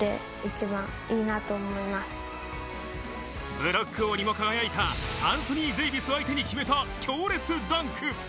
ブロック王にも輝いたアンソニー・デイビスを相手に決めた強烈ダンク。